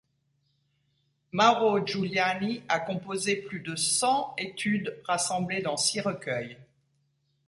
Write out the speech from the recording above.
Mauro Giuliani a composé plus de cent études rassemblées dans six recueils.